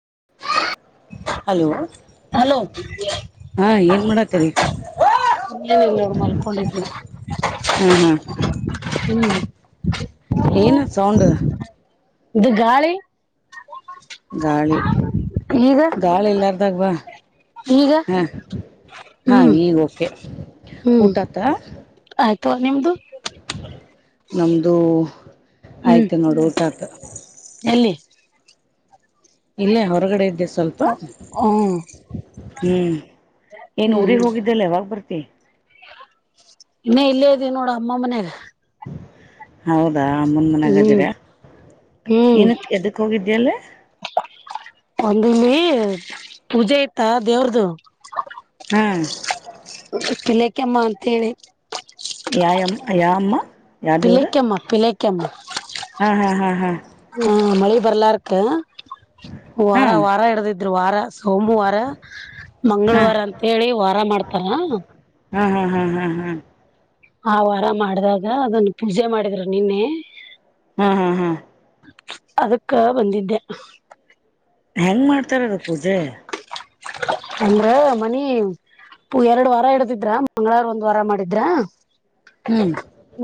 [unintelligible] Hello hello ಹಾ ಏನ್ ಮಾಡತರಿ ಏನು ಇಲ್ಲ ನೋಡು ಮಲ್ಕೊಂಡಿದ್ದ್ವಿ ಹಾ ಹಾ ಹ್ಮ್ ನೀವು ಏನದಸೌಂಡ್ ಇದು ಗಾಳಿ ಗಾಳಿ ಈಗ ಗಾಳಿ ಇಲ್ಲಾರದಾಗ ಬಾ ಈಗ ಹಾ ಹಾ ಹ್ಮ್ ಈಗ ಕೆ ಹ್ಮ್ ಊಟತ್ತ ಆಯ್ತು ನಿಮ್ದು ನಮ್ದೂ ಹ್ಮ್ ಆಯ್ತು ನೋಡು ಊಟ ಆತು ಎಲ್ಲಿ ಇಲ್ಲೇ ಹೊರಗಡೆ ಇದ್ದೆ ಸ್ವಲ್ಪ ಹ್ಮ್ ಹ್ಮ್ ಏನ್ ಊರಿಗೆ ಹೋಗಿದ್ದಲ್ಲ ಯಾವಾಗ ಬರ್ತಿ ಇನ್ನೇ ಇಲ್ಲೇ ಇದ್ದೀ ನೋಡ ಅಮ್ಮಮಗನ್ಯಾಗ ಹೌದಾ ಮುನ್ ಮನ್ಾಗದಿರ ಹ್ಮ್ ಹ್ಮ್ ಏನಕ್ ಎದಕ್ ಹೋಗಿದ್ದ್ಯಲ್ಲ ಒಂದಮ್ಮಿ ಪೂಜೆ ಇತ್ತಾ ದೇವ್ರದು ಹ್ ತಿಲೆಕಮ್ಮ ಅಂತ ಹೇಳಿ ಯಾಯಾಮ ಯಾಅಮ್ಮ ಪಿಲೈಕಮ್ಮ ಪಿಲೈಕಮ್ಮ ಹ್ಮ್ ಹಾ್ ಹಾ ಹಾ ಮಳೆ ಬರ್ಲಾರಕ್ಕೆ ಹಾ ವಾರ ವಾರ ಹಿಡದಿದ್ರು ವಾರ ಸೋಮವಾರ ಹಾ ಮಂಗಳವಾರ ಅಂತೇಳಿ ವಾರ ಮಾಡ್ತಾರ ಹ್ಮ್ ಹ್ಮ್ ಹ್ಮ್ ಹ್ಮ್ ಹ್ಮ್ ಆ ವಾರ ಮಾಡಿದಾಗ ಅದನ್ನು ಪೂಜೆ ಮಾಡಿದ್ರು ನಿನ್ನೆ ಹ್ಮ್ ಹ್ಮ್ ಹ್ಮ್ ಅದಕ್ಕ ಬಂದಿದ್ದೆ ಹೆಂಗ್ ಮಾಡ್ತಾರದು ಪೂಜೆ ಅಂದ್ರ ಮನಿ ಪ ಎರಡು ವಾರ ಇಡತಿದ್ರ ಮಂಗಳವಾರ ಒಂದ್ ವಾರ ಮಾಡಿದ್ರ ಹ್ಮ್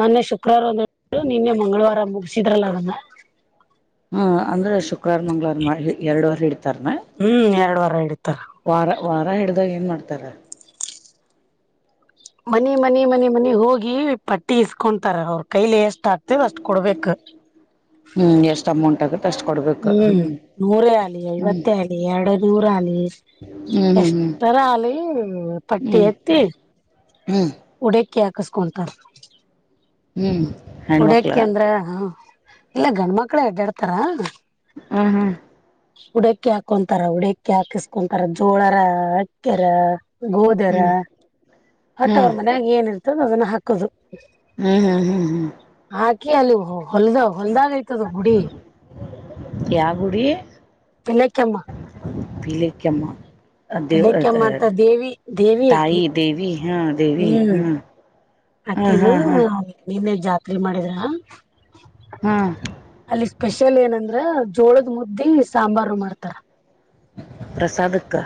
ಮೊನ್ನೆ ಶುಕ್ರವಾರ ಒಂದು ಇತ್ತು ನಿನ್ನೆ ಮಂಗಳವಾರ ಮುಗಸಿದ್ರಲ್ಲ ಅದನ್ನ ಹಾ ಅಂದ್ರ ಶುಕ್ರವಾರ ಮಂಗ್ಳವಾರ ಎರಡು ವಾರ ಹಿಡ್ತಾರನ ಹ್ಮ್ ಎರಡ್ ವಾರ ಹಿಡಿತಾರ ವಾರ ವಾರ ಹಿಡ್ದಾಗ ಏನ್ ಮಾಡ್ತಾರ ಮನಿ ಮನಿ ಮನಿ ಮನಿ ಹೋಗಿ ಪಟ್ಟಿ ಇಸ್ಕೊಂತಾರ ಅವ್ರ ಕೈಲೆ ಎಷ್ಟ ಎಷ್ಟ ಆಗ್ತದೆ ಅಷ್ಟು ಕೊಡ್ಬೇಕು ಹ್ಮ್ ಎಷ್ಟ್ ಅಮೌಂಟ್ ಆಗತ್ತೆ ಅಷ್ಟ್ ಕೊಡ್ಬೇಕು ಹ್ಮ್ ನೂರೇ ಆಲಿ ಹ್ಮ್ ಐವತ್ತೇ ಆಲಿ ಎರಡು ನೂರ ಆಲಿ ಹ್ಮ್ ಎಷ್ಟರ ಅಲಿ ಪಟ್ಟಿ ಹ್ಮ್ ಹ್ಮ್ ಎತ್ತಿ ಹ್ಮ್ ಹ್ಮ್ ಉಡೆಕ್ಕಿ ಹಾಕಸ್ಕೊಂತಾರ ಹ್ಮ್ ಹೆಣ್ಮಕ್ಳ ಉಡೆಕ್ಕಿ ಅಂದ್ರೆ ಹ ಇಲ್ಲ ಗಂಡ ಮಕ್ಳು ಹೆಡ್ಡಾಡ್ತಾರ ಹ್ಮ ಹ್ಮ್ ಉಡಕ್ಕಿ ಹಾಕೊಂತಾರ ಉಡಕ್ಕಿ ಹಾಕಿಸಕೊಂತಾರ ಜೋಳರ ಅಕ್ಕೆರ ಗೋದೆರ ಹ್ಮ್ ಹೊಟ್ಟವ್ರ ಹ್ಮ್ ಹ್ಮ್ ಮನ್ಯಾಗ ಏನಿರ್ತದ ಅದನ್ನ ಹಾಕೋದು ಹ್ಮ್ ಹ್ಮ್ ಹ್ಮ್ ಹ್ಮ್ ಹಾಕಿ ಅಲ್ಲಿ ಹೊಲ್ದ ಹೊಲ್ದಾಗಯ್ತದ ಗುಡಿ ಯಾ ಗುಡಿ ಪಿಲಕ್ಕೆಮ್ಮ ಪೀಳಕಮ್ಮ ದೇವ ಪಿಲಕ್ಕೆಮ್ಮ ಅಂತ ದೇವಿ ದೇವಿ ತಾಯಿ ಅಕಿ ದೇವಿ ಹಾ ದೇವಿ ಹ್ಮ ಹಾಕಿದ್ ನಿನ್ನೆ ಜಾತ್ರೆ ಮಾಡಿದ್ರ ಹಾ ಅಲ್ಲಿ ಸ್ಪೆಷಲ್ ಏನಂದ್ರ ಜೋಳದ ಮುದ್ದಿ ಸಾಂಬಾರ ಮಾಡ್ತಾರ ಪ್ರಸಾಾದಕ್ಕ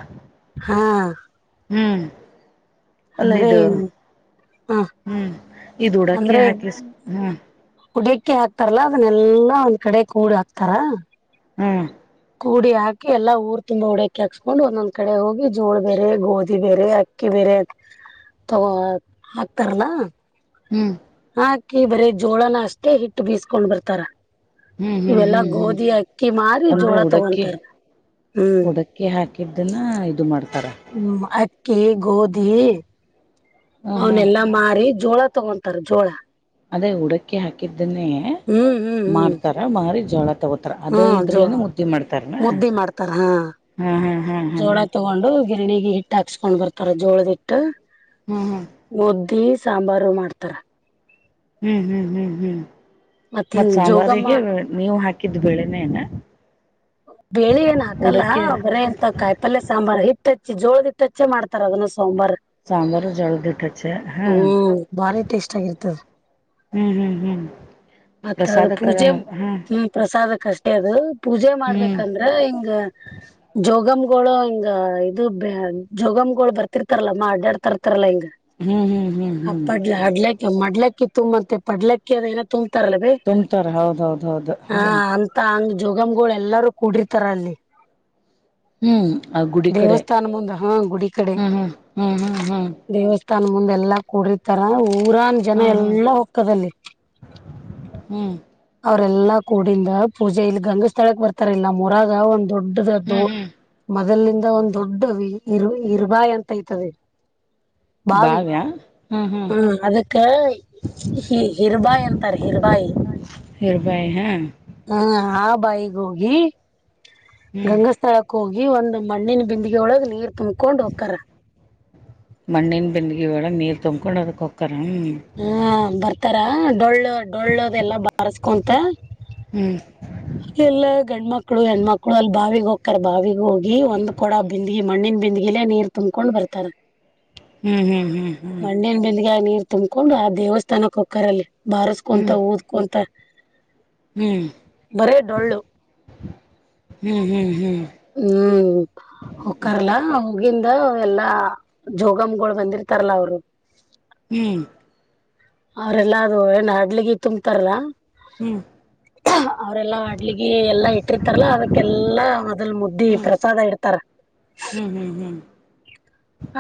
ಹಾ ಹ್ಮ್ ಅಲ್ಲ ಅಂದ್ರೆ ಇದು ಹ ಹ್ಮ್ ಇ್ ಉಡಾಕ್ಕಿ ಹಾಕ್ಲಿ ಹ್ಮ್ ಉಡಕ್ಕೆ ಹಾಕ್ತಾರಲ್ಲಾ ಅದನ್ನೆಲ್ಲಾ ಒಂದ್ ಕಡೆ ಕೂಡ್ ಹಾಕ್ತಾರ ಹ್ಮ್ ಕೂಡಿ ಹಾಕಿ ಎಲ್ಲ ಊರ್ ತುಂಬಾ ಡಕೆ ಹಾಕ್ಸ್ಕೊಂಡು ಒಂದೊಂದ್ ಕಡೆ ಹೋಗಿ ಜೋಳ ಬೇರೆ ಗೋಧಿ ಬೇರೆ ಅಕ್ಕಿ ಬೇರೆ ಬೇರೆ ತಗೋ ಹಾಕ್ತಾರಲ ಹ್ಮ್ ಹಾಕಿ ಬರ ಜೋಳನ ಅಷ್ಟೇ ಹಿಟ್ಟು ಬೀಸ್ಕೊಂಡ್ ಬರ್ತಾರ ಹ್ಮ್ ಹ್ಮ್ ಇವೆಲ್ಲಾ ಹ್ಮ್ ಹ್ಮ್ ಗೋಧಿ ಅಕ್ಕಿ ಮಾರಿ ಅಂದ್ರೆ ಜೋಳ ಉಡಕ್ಕಿ ತಗೊಂತಾರೆ ಹ್ಮ್ ಉಡಕ್ಕಿ ಹಾಕಿದ್ದನ್ನ ಇದು ಮಾಡ್ತಾರೆ ಹ್ಮ್ ಅಕ್ಕಿ ಗೋಧಿ ಹ ಹಾ ಅವನೆಲ್ಲಾ ಮಾರಿ ಜೋಳ ತಗೊಂತಾರ ಜೋಳ ಅದೇ ಹಡಕ್ಕಿ ಹಾಕಿದ್ದನೇ ಹ್ಮ್ ಹ್ಮ್ ಹ್ಮ್ ಮಾರ್ತಾರ ಮಾರಿ ಜೋಳ ತಗೋತಾರ ಹಾ ಅದು ಜೋಳ ಇದ್ರಲನೆ ಮುದ್ದಿ ಮಾಡ್ತಾರ ಮುದ್ದಿ ಮಾಡ್ತಾರ ಹಾ ಹ್ಮ್ ಹಾ್ ಹಾ್ ಹಾ ಜೋಳ ತಗೊಂಡು ಗಿರಣಿಗೆ ಹಿಟ್ಟ ಹಾಕ್ಸ್ಕೊಂಡ್ ಬರ್ತಾರ ಜೋಳದಿಟ್ಟ ಹ್ಮ್ ಹ್ಮ್ ಮುದ್ದಿ ಸಾಂಬಾರು ಮಾಡ್ತಾರ ಹ್ಮ್ ಹ್ಮ್ ಹ್ಮ್ ಹ್ಮ್ ಮತ್ತ ಮತ್ ಹಿಂಗ್ ಜೋಗಮ್ಮ ಸಾಂಬಾರಿಗೆ ನೀವು ಹಾಕಿದ್ದ ಬೆಳೆನೇ ನ ಬಳಿ ಏನ್ ಹಾಕಲ್ಲ ಬರ ಎಂತ ಕಾಯ್ ಪಲ್ೆ ಸಾಂಬಾರ್ು ಇತ್ತತಿ ಜೋಳದಿಟ್ಟಚ್ಚೆ ಮಾಡ್ತಾರ ಅಗನ ಸಾಂಬಾರ್ ಸಾಂಬಾರು ಜೋಳದ ಹಿಟ್ಟ ಹಚ್ಚ ಹಾ ಹ್ಮ್ ಬಾರಿ ಟೇಸ್ಟ್ ಆಗಿರ್ತದ ಹ್ಮ್ ಹ್ಮ್ ಹ್ಮ್ ಮತ್ತ ಅದು ಪ್ರಸಾದಕ್ಕದ ಪೂಜೆ ಹಾ ಹ್ಮ ಪ್ರಸಾದಕ್ಕೆಷ್ಟೇ ಅದು ಪೂೆ ಹ್ಮ್ ಂದ್ರೆ ಹಿಂಗ ಜೋಗಮ ಗಳು ಹಿಂಗ ಇದು ಜೋಗಮ್ಗಳು ಬರ್ತಿರ್ತಾರಲ್ಲ ಮಾ ಆಡ್ಡಾಡ್ತರ್ತಾರಲ್ಲಾ ಹಿಂಗ ಹ್ಮ್ ಹ್ಮ್ ಹ್ಮ್ ಹ ಹ್ಮ್ ಪಡ್ಲ ಅಡ್ಲಕ್ಕ ಮಡ್ಲಕ್ಕಿ ತುಂಬಂತೆ ಪಡ್ಲಕ್ಕಿ ಅ ಏನ ತುಂಬ ಲ್ಲ ಬಿ ತುಂಬ್ತಾರ ಹೌದೌದ ಹೌದು ಹ ಹ್ಮ್ ಅಂತ ಹಂಗ ಜೋಗಮ್ಗಳು ಎಲ್ಲಾರೂ ಕೂಡಿರ್ತಾರ ಅಲ್ಲಿ ಹ್ಮ್ ಆ ಗುಡಿ ಕಡೆ ದೇವಸ್ಥಾನ ಮುಂದೆ ಹಾ ಗುಡಿ ಕಡೆ ಹ್ಮ್ ಹ್ಮ್ ಹ್ಮ್ ಹ್ಮ್ ಹ್ಮ್ ದೇವಸ್ಥ ತನ ಮುಂದೆಲ್ಲಾ. ಕುಡತಾರ ಊರನ್ ಜನ ಹ್ಮ್ ಹ್ಮ್ ಎಲ್ಲಾ ಹೊಕ್ಕದಲ್ಲಿ ಹ್ಮ್ ಅವ್ರೆಲ್ಲಾ ಕೂಡಿಂದ ಪೂಜೆ ಇಲ್ಲಿ ಗಂಗ ಸ್ಥಳಕ್ ಬರ್ತಾರಿಲ್ಲಿ ನಮ್ಮೂರಗ ಒಂದು ದೊಡ್ಡದದ್ದು ಹ್ಮ್ ಹ್ಮ್ ಮೊದಲಿಂದ ಒಂದ್ ದೊಡ್ಡ ಇರು ಇರುಬಾಯಿ ಅಂತ ಇಐತದ ಬಾವ್ಯಾ ಹ್ಮ್ ಹ್ಮ್ ಹೂ ಅದಕ್ಕ ಹಿ ಹಿರ್ಬಾಯಿ ಅಂತರ ಹಿರ್ಬಾಯಿ ಹಿರ್ಬಾಯ ಹ ಬಾಯಿಗೆ ಹೋಗಿ ಹ್ಮ್ ಗಂಗಾಸ್ಥಳಕ್ಕ ಹೋಗಿ ಒಂದು ಮಣ್ಣಿನ ಬಿಂದಿಗೆ ಒಳಗ ನೀರ್ ತುಂಬ್ಕೊಂಡ್ ಹೋಗ್ತಾರ ಮಣ್ಣಿನ್ ಬಿಂದಿಗೆ ಒಳಗ್ ನೀರ್ ತೊಂಬ್ಕೊಂಡ್ ಅದಕ್ ಒಕ್ಕರ್. ಹಾ ಬರ್ತಾರ ಡೊಳ್ಳು ಡೊಳ್ಳು ಅದೆಲ್ಲ ಬಾರ್ಸ್ಕೊಂತ ಹ್ಮ್ ಎಲ್ಲ ಗಂಡ್ಮಕ್ಳು ಹೆಣ್ಮಕ್ಳು ಅಲ್ಲಿ ಬಾವಿಗ್ ಹೋಕರ್ ಬಾವಿಗ ಹೋಗಿ ಒಂದ್ ಕೊಡ ಬಿಂದಗಿ ಮಣ್ಣಿನ ಬಿಂದಗಿಲೆೇ ನೀರ್ ತುಂಬ್ಕೊಂಡ್ ಬರ್ತಾರ ಹ್ಮ್ ಹ್ಮ್ ಹ್ಮ್ ಹ್ಮ್ ಹ್ಮ್ ಮಣ್ಣಿನ್ ಬಿಂದ್ಯಾಗ್ ನೀ ತುಂಬಕೊಂಡು ಆ ದೇವಸ್ಥಾನಕ್ ಹೊಕ್ಕರಲ್ಲಿ ಬಾರಸ್ಕೊಂತ ಊದ್ಕೊಂತ ಹ್ಮ್ ಬರೇ ಡೊಳ್ಳು ಹ್ಮ್ ಹ್ಮ್ ಹ್ಮ್ ಹ್ಮ್ ಹ್ಮ್ ಹ್ಮ್ ಹೂ ಹೊಕ್ಕರಲ್ಲ ಮುಗಿಂದ ಎಲ್ಲಾ ಜೋಗಮ್ಗಳು ಬಂದಿರ್ತಾರಲ್ಲ ಅವ್ರು ಹೂ ಅವ್ರೆಲ್ಲಾ ಅದು ಏನ್ ಹಡ್ಲಿಗಿ ತುಂಬ್ತಾರಲ್ಲಾ ಹೂ ಅವ್ರಲ್ಲಾ ಅಡ್ಲಿಗಿ ಎಲ್ಲಾ ಇಟ್ಟಿರ್ತಾರಲ್ಲಾ ಅದಕ್ಕೆಲ್ಲಾ ಮೊದಲ್ ಮುದ್ದಿ ಪ್ರಸಾದ ಇಡ್ತಾರ ಹು ಹು ಹು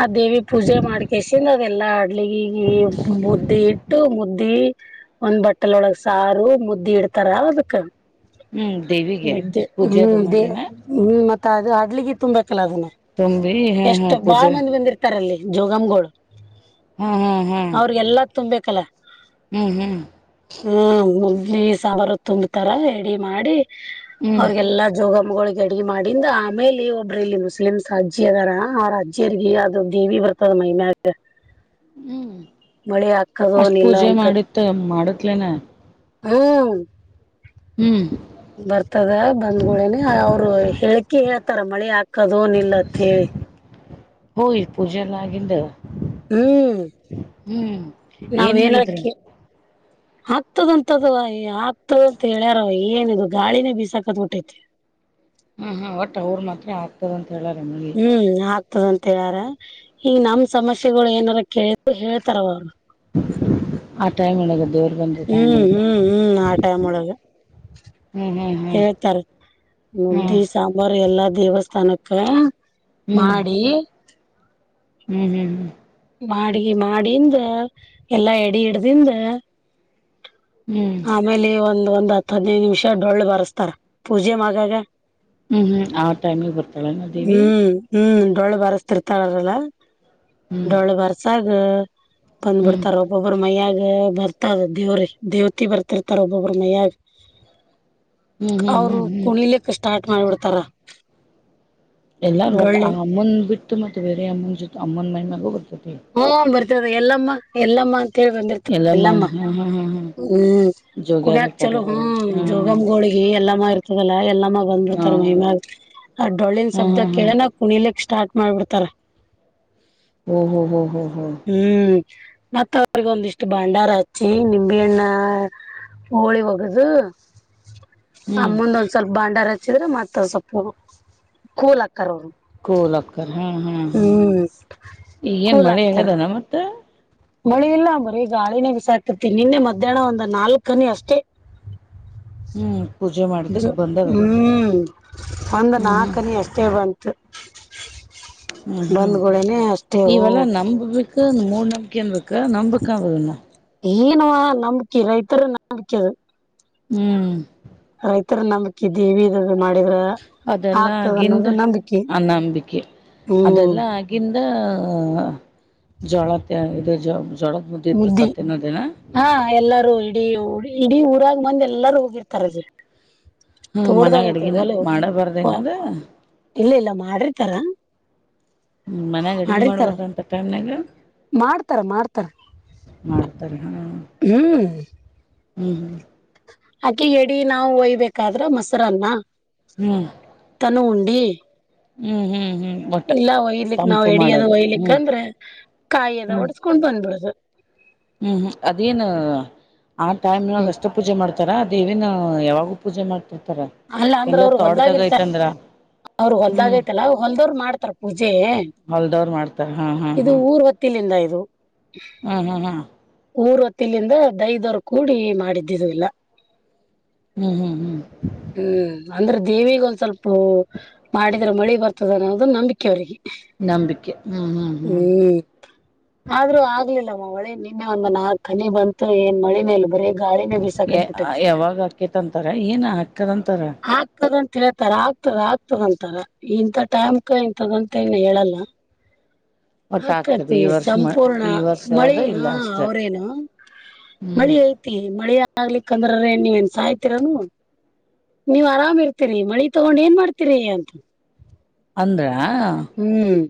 ಆ ದೇವಿ ಪೂಜೆ ಮಾಡ್ಕ್ಸೆಸಿಂದ ಅದೆಲ್ಲಾ ಅಡ್ಲಿಗಿ ಮುದ್ದಿ ಇಟ್ಟು ಮುದ್ದಿ ಒಂದ್ ಬಟ್ಟೆಲ್ ಒಳಗ್ ಸಾರು ಮುದ್ದಿ ಇಡ್ತಾರ ಅದಕ್ ಹ್ಮ್ ದೇವಿಗೆ [unintelligible] ಪೂಜೆ ಅದು ಹ್ಮ್ ದೇ ಮಾಡೇನ ಹ್ಮ್ ಮತ್ತೆ ಅದು ಹಡ್ಲಿಗಿ ತುಂಬೇಕ್ ತುಂಬಿ ಹ ಹ ಬಾಳ್ ಮಂದಿ ಬಂದಿರ್ತಾರಲ್ಲಿ ಜೋಗಮ್ಗಳು ಹ ಹ ಹ ತುಂಬೇಕಲ ಹುಹು ನೀ ಸಾವಾರ ತುಂಬತಾರ ಎಡಿ ಮಾಡಿ ಹ್ಮ್ ಅವ್ರಗೆಲ್ಲಾ ಜೋಗವ್ವ ಗಳಿಗೆ ಅಡಗೆ ಮಾಡಿಂದ ಆಮೇಲಿ ಒಬ್ಬರು ಇಲ್ಲಿ ಮುಸ್ಲಿಮ್ಸ್ ಅಜ್ಜಿ ಅದಾರ ಆ ಅಜ್ಜಿ ಜೀರ್ಗಿ ಅದು ದೀವಿ ಬರ್ತದ ಮೈಮ್ಯಾಗ ಮಳಿ ಹಾಕೊಡೊ ಅಷ್ಟ್ ಏನ್ ಇಲ್ಲೊ ಪೂಜೆ ಅಂತ ಮಾಡಿತ್ತ ಮಾಡತ್ಲೇನ ಹೂ ಹು ಬರ್ತದ ಬಂದುಳೆನೆ ಅವ್ರು ಹೇಳಳ್ಕಿ ಹೇಳ್ತಾರ ಮಳಿ ಹಾಕ್ ಕದೋನಿಲ್ಲತೀಳಿ ಹೋಯ್ ಪೂಜೆ ಎಲ್ಲ ಆಗಿಂದ ಹ್ಮ್ ಹ್ಮ್ ಏನ್ ಹೇಳಿದ್ರು ಆಗ್ತದಂತದ ಅದು ಆಗ್ತದ ಅಂತ ಹೇಳ್ಯಾರವ ಏನ್ ಗಾಳಿನೇ ಬಿಸಾಕತ್ಬಿತೈತಿ ಹು ಹು ವಟ್ಟ್ ಅವ್ರ ಮಾತ್ರ ಆಗ್ತದಂತ ಹೇಳಾರೆ ಮಿ ತದಂತ ಹೇಳ್ಯಾರ ಹಿಂಗ ನಮ್ ಸಮಸ್ಯೆಗಳು ಏನಾರ ಕೇಳ ಹೇಳ್ತಾರ ಅವ್ರು ಆ ಟೈಮ್ ಒಳಗ್ ದೇವ್ರು ಹ್ಮ್ ಹ್ಮ್ ಹ್ಮ್ ಆ ಟೈಮ್ ಒಳಗ ಹ್ಮ್ ಹ್ಮ್ ಹ್ಮ್ ಹೇಳ್ತಾರ್ ಮುದ್ದಿ ಸಾಂಬಾರು ಎಲ್ಲ ದೇವಸ್ಥಾನಕ್ಕ ಹ್ಮ್ ಹ್ಮ್ ಮಾಡಿ ಹ್ಮ್ ಹ್ಮ್ ಹ್ಮ್ ಮಾಡಗ ಮಾಡಿಂದ ಎಲ್ಲಾ ಎಡಿ ಹಿಡ್ದಿಂದ ಹ್ಮ್ ಆಮೇಲೆ ಒಂದ ಒಂದ್ ಹತ್ತು ಹತ್ತು ಹದಿನೈದು ನಿಮಿಷ ಡೊಳ್ಳು ಬರೆಸ್ತಾರ ಪೂಜೆ ಮಗಾಗ ಹ್ಮ್ ಹ್ಮ್ ಆ ಟೈಮ್ಗೆ ಬರ್ತಾಳೆ ನಡ್ದೀವಿ ಡೋಳ್ಳು ಬಾರಸತಿ ಇರ್ತಾಳರಲ್ಲ ಹ್ಮ್ ಡೋಳ್ಳು ಬರ್ಸಾಗ ಹ್ಮ್ ಬಂದ್ಬಿಡ್ತಾರ ಒಬ್ಬೊಬ್ಬರು ಮೈಯಗ ಬರ್ತದ ದೇವ್ರಿ ದೇವತಿ ಬರ್ತಿರ್ತಾರ ಒಬ್ಬೊಬ್ಬ್ರ ಮಯ್ಯಾಗ ಹ್ಮ್ ಹ್ಮ್ ಅವರು ಹ್ಮ್ ಹ್ಮ್ ಕುಣಿಲಿಕ್ಕೆ ಸ್ಟಾರ್ಟ್ ಮಾಡ್ಬಿಡ್ತಾರ ಎಲ್ಲಾರೂ ಒಟ್ಟ ಡೊಳ್ಳಿ ಆ ಅಮ್ಮನ್ ಬಿಟ್ಟ ಮತ್ತೆ ಬೇರೆ ಅಮ್ಮನ ಜೊತೆ ಅಮ್ಮನ್ ಮೈ ಮ್ಯಾಗ ಬರ್ತತ್ತು ಹ್ಮ ಬರ್ತದೆ ಎಲ್ಲಮ್ಮ ಎಲ್ಲಮ್ಮ ತಿಳ್ ಬಂದಿರ್ತ ಎಲ್ಲಮ್ಮ ಹಾ ಹಾ ಹಾ ಹಾ ಹ್ಮ್ ಜೋಗ್ಯಾರ ಕುಗ್ಯಾಕ್ ಚಲೋ ಇರ್ತಾರಲ್ಲ ಹಾ ಅವ್ರಿಗೆ ಜೋಗಮ್ ಗೋಳಗಿ ಎಲ್ಲಾ ಮಾಡ ತದಲ್ಲ ಎಲ್ಲ ಮಾಗ ಹಾ ಬಂದಿರ್ತಾರ ಮೈಮಾಗ ಆ ಡೊಳ್ಳನ್ ಹಾ ಶಬ್ದ ಹಾ ಹಾ ಹಾ ಕೇಳ ಕುಣಿಲಿ ಸ್ಟಾರ್ಟ್ ಮಾಡ್ಬಿಡ್ತಾರ ಓ ಹೋ ಹೋ ಹ ಹ್ಮ್ ಮತ್ತ ಅವ್ರಗ ಒಂದಿಷ್ಟು ಭಂಡಾರ ಹಚ್ಚಿ ನಿಂಬೆಹಣ್ಣ ಹೋಳಿ ಹೋಗದು ಆ ಹ್ಮ್ ಮುಂದ ಒಂದ್ ಸ್ವಲ್ಪ ಭಾಂಡಾರ ಹಚ್ಚಿದ್ರೆ ಮತ್ತೊಂದ್ ಸ್ವಲ್ಪ ಕೂಲ್ ಹಾಕ್ಕರ ಅವರು ಕೋಲಕ್ಕರ್ ಹಾ ಹಾ ಹಾ ಹ್ಮ್ ಈಗಏನ್ ಕೂಲ್ ಮಳೆ ಆಕ್ತಾರ ಆಗದಾನ ಮತ್ತ ಮಳಿ ಇಲ್ಲಂಬರೀ ಈಗ ಗಾಳಿನೇ ಬಿಸಾಕತಿನಿ ನಿನ್ನೆ ಮಧ್ಯಾಹ್ನ ಒಂದ ನಾಲ್ಕನ ಅಷ್ಟೇ ಹ್ಮ್ ಪೂಜೆ ಮಾಡ್ದಕ್ ಬಂದದ ಹ್ಮ್ ಒಂದು ಹ್ಮ್ ನಾಲ್ಕನೇ ಅಷ್ಟೇ ಬಂತು ಹ್ಮ್ ಹ್ಮ್ ಬಂದ್ಗಳೇನೆ ಅಷ್ಟೇ ಓ ಇವೆಲ್ಲ ನಂಬಬೇಕು ಮೂಡ್ ನಂಬಿಕೆ ನ್ಬೇಕು ನಂಬಕ ಬದಣ ಏನು ನಂಬಕೆ ರೈತರು ನಂಬಕೆದು ಹ್ಮ್ ರೈತರು ನಂಬಕಿದ್ದವಿ ಮಾಡಿದ್ರ ಅದೆಲ್ಲ ಆಗ್ತದ ಆಗಿಂದ ಅನ್ನೋದು ನಂಬಿಕೆ ಹ್ಮ್ ಇ ಜೋಳತ್ತ ಇದು ಜ ಮುದ್ದಿ ಹಾ ಎಲ್ಲಾರೂ ಇಡೀ ಇಡೀ ಊರಾಗ ಬಂದ್ ಎಲ್ಲಾರು ಹೋಗಿರ್ತಾರಜ ಹ್ಮ ಮನ್ಯಾಗ ತೋಡ್ದಾಗೈತೆ ಅಡ್ಗಿನ ಬಲ ಮಾಡಬಾರ್ದ ಏನದ ಇಲ್ಲ ಇಲ್ಲ ಮಾಡ್ರಿ ತರಾ ಮನ್ಯಾಗ ಅಡ್ಗೆ ಮಾಡತಾರ ಮಾಡ್ಬಾರ್ದ ಅಂತ ಟೈಮ್ನಾಗ ಮಾಡ್ತಾರ ಮಾಡ್ತಾರ ಮಾಡ್ತಾರೆ ಹಾ ಹ್ಮ್ ಹ್ಮ್ ಹ್ಮ್ ಅಕೆ ಎಡಿ ನಾವವು ಒಯ್ಬೇಕಾದ್ರ ಮೊಸರನ್ನ ಹ್ಮ್ ತನ ಉಂಟ ಬಿ ಹ್ಮ್ ಹ್ಮ್ ಹ್ಮ್ ಒಟ್ಟ ಇಲ್ಲ ಒಯ್ಲಿಕ್ ನಾವ್ ತಂಪು ಎಡಿಯದ ಮಾಡೋದು ಒಯ್ಲಿಕ್ಕ ಹ್ಮ್ ಅಂದ್ರೆ ಕಾಯಿಯದ ಒಡ್ಸ್ಕೊಂಡ್ ಬಂದ್ಬಿಡು [unintelligible] ಹ್ಮ್ಅದೇನ್ ಆ ಟೈಮ್ಗ ಹ್ಮ್ ಅಷ್ಟ ಪೂಜೆ ಮಾಡ್ತ ತಾರ ದೇವಿನ ಯಾವಾಗ ಪೂಜೆ ಮಾಡ್ತಿರ್ತಾರ ಎಲ್ಲ ತೋಡ್ದಾಗ ಆಯ್ತಂದ್ರ ಅವ್ರ ಹೊಲ್ದಾಗೈತಲ್ಲ ಅವ ಹೊಲ್ದವ್ರ ಮಾಡ್ತಾರ ಪೂಜೆ ಹೊಲ್ದವ್ರು ಮಾಡ್ತಾರ ಹಾ ಹಾ ಇದು ಹಾ ಊರ್ ಹೊತ್ತಲಿಂದ ಇದು ಹ್ಮ್ ಹ್ಮ್ ಹ್ಮ ಊರ್ ಹೊತ್ತಿಲಿಂದ ದೈದವರು ಕೂಡಿ ಮಾಡಿದ್ದಿದಿಲ್ಲ ಹ್ಮ್ ಹ್ಮ್ ಹ್ಮ್ ಹ್ಮ್ ಅಂದ್ರೆ ದೇವಿಿಗೆ ಒಂದ್ ಸ್ವಲ್ಪ ಮಾಡಿದ್ರೆ ಮಳೆ ಬರ್ತದ ಅನ್ನೋದು ನಂಬಿಕೆ ಅವ್ರರಿಗೆ ಹ್ಮ್ ಆದ್ರೂ ಆಗ್ಲಿಲ್ಲ ಒಳೆ ನಿನ್ನೆ ಒಂದ ನಾಲ್ಕ್ ಕಿ ಬಂತು ಏನ್ ಮಳೆ ಮೇಲ್ ಬರ ಯಾವಾಗ ಅಕೇತ್ಂತಾರ ಏನ್ ಹಾಕ್ಕದಂತಾರ ಆಗ್ತದಂತ ಹೇಳ್ತಾರ ಆಗ್ತದ ಆಗ್ತದಂತಾರ ಇಂತ ಟೈಮ್ಕ ಇಂಂತದಂತ ನ ಹೇಳಲ್ಲ [inaudible] ಹಾಕದ ಆಕ್ಕತಿ ಈ ವರ್ಷ ಸಂಪೂರ್ಣ ಈ ವರ್ಷದ ಮಳಿ ಹಾ ಇಲ್ಲ ಅಷ್ಟೆ ಅವ್ರೇನು ಮಳಿ ಹ್ಮ್ ಐತಿ ಮಳಿ ಆಗ್ಲಿಕ್ಕಂದ್ರ್ರೆ ನೀವ ನ್ ಸಾಯ್ತಿೀರನು ನೀವ್ ಆರಾಮ ಇರ್ತೀರಿ ಮಳಿ ತಗೊಂಡ್ ಏನ್ ಮಾಡ್ತೀರಿ ಅಂತ ಅಂದ್ರೆ ಹ್ಮ್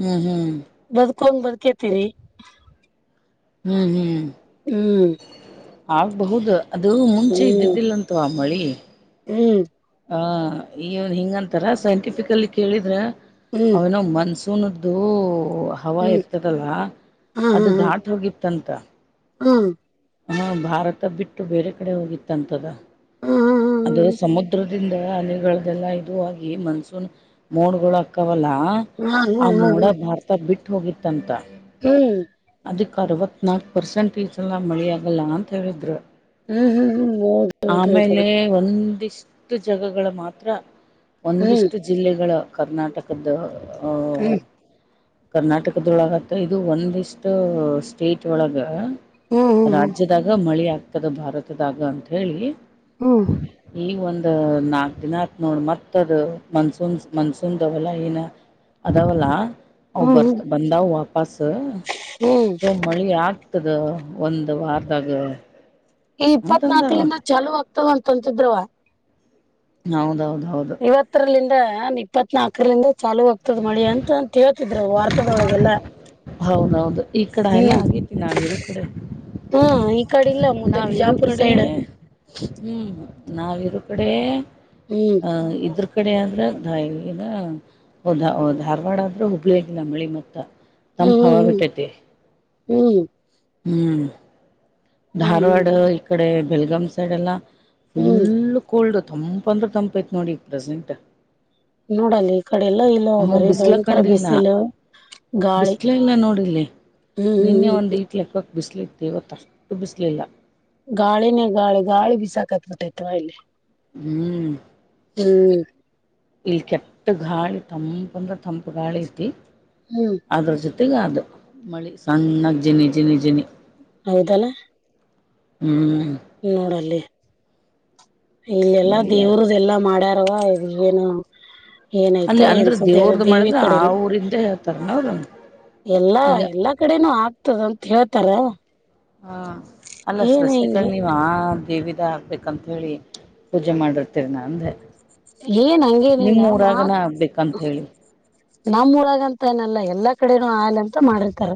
ಹ್ಮ್ ಹ್ಮ್ ಬದಕೊಂಡ್ ಬರ್ಕೇತಿೀರಿ ಹ್ಮ್ ಹ್ಮ್ ಹ್ಮ್ ಆಗ್ಬಹುದು ಅದು ಮುಂಚೆ ಹ್ಮ್ ಇದ್ದಿದ್ದಿಲ್ಲಂತ ಆ ಮಳಿ ಹ್ಮ್ ಆ ಇವನ್ ಹಿಂಗಂತಾರ ಸೈಂಟಿಫಿಕಲ್ಲಿ ಕೇಳಿದ್ರೆ ಹ್ಮ್ ಅವನ ಮನ್ಸು ಸುನ್ದು ಹವ ಹ್ಮ್ ಇರ್ತದಲ್ಲ ಅದು ದಾಟ ಹೋಗಿತ್ತಂತ ಹ್ಮ ಹಾ ಭಾರತ ಬಿಟ್ಟು ಬೇರೆ ಕಡೆ ಹೋಗಿತ್ತಂತದ ಹಾ ಹಾ ಅದು ಹಾ ಸಮುದ್ರದ ಇದ್ರಂದ ಅನೆಗಳೆಲ್ಲ ಇ ಆಗ ಮನ್ಸೂನ್ ಮೋಡ್ಗಳ ಅಕ್ಕ ಲ ಹಾ ಹಾ ಆ ಹಾ ಹ್ಮ್ ಮೋಡ ಭಾರತ ಬಿಟ್ಟ ಹೋಗಿತ್ತಂತ ಹ್ಮ್ ಅದಕ್ಕೆ ಅರವತ್ನಾಲ್ಕು ಪರ್ಸೆಂಟೇಜ ಎಲ್ಲ ಮಳೆ ಆಾಗಲ್ಲ ಅಂತ ಹೇಳಿದರು ಹ್ಮ್ ಆಮೇಲೆ ಹೌದೌದೌದೌದು ಒಂದ ಇಷ್ಟು ಜಾಗಗಳ ಮಾತ್ರ ಹ್ಮ್ ಒಂದಿಷ್ಟು ಜಿಲ್ಲೆಗಳ ಕರ್ನಾಟಕದ ಅಹ ಹ್ಮ್ ಕರ್ನಾಟಕದೊಳಗತ್ತ ಇದು ಒಂದಿಷ್ಟ ಸ್ಟೇಟ್ ಒಳಗ ಹ್ಮ್ ರಾಜ್ಯದಾಗ ಮಳೆ ಆಗ್ತದ ಭಾರತದಾಗ ಅಂತ ಹೇಳಿ ಹ್ಮ್ ಈ ಒಂದು ನಾಲ್ಕು ದಿನ ಆತ್ ನೋಡ ಮತ್ತದು ಮನ್ಸೂನ್ ಮನ್ಸೂನ್ದವಲ್ಲ ಇನ ಅಾವಲ್ಲಾ ಅ್ ಹ್ಮ್ ಹ್ಮ್ ಹ್ಮ್ ಬರ್ತ ಬಂದಾವ ವಾಪಸ್ ಹ್ಮ್ ಸೊ ಮಳಿ ಆಗ್ತದ ಒಂದು ವಾರದಾಗ ಈ ಅಂತಂದಾರ ಇಪ್ಪತ್ನಾಕಲಂದ ಚಲುುವ ಆಗ್ತವ ಅಂತಂತಿದ್ರವ ಹೌದೌದು ಇವತ್ತರಲಂದ ಇಪ್ಪತ್ ನಾಲ್ಕರಂದ ಚಾ ಆಗ್ತದ ಮಳಿ ಅಂತ ಕೇಳ್ತಿದ್ರು ವಾರ್ತದಳಗೆಲ್ಲ ಹೌದೌದು ಈ ಕಡ ಎಲ್ಲ ಆಗೇತಿ ನಾವಿರು ಕಡೆ ಹ್ಮ್ ಈ ಕಡೆ ಇಲ್ಲ ಮುದ್ದೆ ನಾವ್ ಇರುವ ಬಿಜಾಪುರ್ ಕಡೆ ಸೈಡ್ ಹ್ಮ್ ನಾವ ಇರ ಕಡೆ ಹ್ಮ್ ಇದ್ರ ಕಡೆ ಆದ್ರೆ ಧ ಧಾರವಾಡ ಆದ್ರೆ ಹುಬ್ಳಗಿನ ಮಳಿ ಮತ್ತ ತಮ್ಮ ಪಾವ ಹ್ಮ್ ಹ್ಮ್ ಬಿಟ್ಟತ್ತೆ ಹ್ಮ್ ಹ್ಮ್ ಹ್ಮ್ ಹ್ಮ್ ಹ್ಮ್ ಧಾರವಾಡ ಇ ಕಡೆ ಬೆಲ್ಗಾಮ್ ಸೈಡ್ ಎಲ್ಲ ಹ್ಮ್ ಫುಲ್ ಕೋಲ್ಡ್ ತಂಪಂದ್ರೆ ತಂಪೈತ್ ನೋಡಿ ಪ್ರೆಸೆಂಟ್ ನೋಡಲ್ಲ ಈ ಕಡೆ ಎಲ್ಲಾ ಇಲ್ಲ ಹ ಬರಿೀ ಬಿಸ್ಲ ಭಯಂಕರ ಕಂಡಿಲ್ಲ ಬಿಸಿಲು ಗಾಳಿ ಬಿಸ್ಲ ಇಲ್ಲ ನೋಡಿಲ್ಲಿ ಹ್ಮ್ ಹ್ಮ್ ನಿನ್ನೆ ಒಂದು ಹ್ಮ್ ಈಕ್ ಲೆಕ್ಕಕ್ ಬಿಸಿಲ ಇತ್ತು ಇವತ್ತ ಅಷ್ಟು ಬಿಸಲಿಲ್ಲ ಗಾಳಿನೇ ಗಾಳಿ ಗಾಳಿ ಬಿ ಸಾಕತ್ಬಟ್ಟೈತ್ವಾ ಇಲ್ಲಿ ಹ್ಮ್ ಹ್ಮ್ ಇಲ್ಲಿ ಕೆಟ್ಟ ಗಾಳಿ ತಂಪ ಅಂದ್ರ ತಂಪು ಗಾಳಿ ಐತಿ ಹ್ಮ್ ಅದ್ರ ಜೊತೆ ತ್ತಗ ಅದು ಮಳಿ ಸಣ್ಣಾಗಿ ಜಿನಿ ಜಿನಿ ಜಿನಿ ಹೌದಲ್ಲ ಹ್ಮ್ ನೋಡಾಲಲ್ಲಿ ಇಲ್ಲೆಲ್ಲಾ ಮಳಿಯ ದೇವ್ರದೆಲ್ಲಾ ಮಾಡ್ಯಾರವ ಇದಗೇನು ಅಲ್ಲಿ ಅಂದ್ರ ದೇವ್ರ್ದ ಮಾಡಿದ್ರೆ ಆ ಊರಿಂದ ಹೇಳ್ತಾರ ನೋದ ಎಲ್ಲಾ ಎಲ್ಲಾ ಕಡೆನೂ ಆಗ್ತದಂತ ಹೇಳ್ತಾರ ಹಾ ಅಲ್ಲ ಏನ್ ಸ್ವಸ್ವಿಕಾರ್ ಹಿಂಗೆ ನೀವ್ ಆ ದೇವ ಹಾಕ್ಬೇಕಂತ ಹೇಳಿ ಪೂಜೆ ಮಾಡಿರ್ತೀರಿ ನ ಅಂದೆ ಏನ್ ನಿಮ್ ಊರಾಗನ ಹಂಗೇನಿಲ್ಲತ್ ಆಗ್ಬೇಕಂತ ಹೇಳಿ ನಮ್ಮೂಊರಾಗಂತ ಏನಲ್ಲ ಎಲ್ಲಾ ಕಡೆನೂ ಆಯಲೆ ಅಂತ ಮಾಡಿರ್ತಾರ